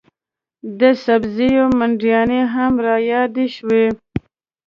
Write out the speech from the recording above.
د سبزیو منډیانې هم رایادې شوې.